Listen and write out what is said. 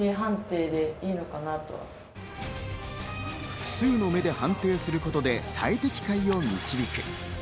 複数の目で判定することで最適解を導く。